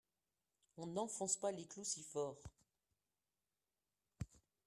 on n'enfonce pas les clous si fort.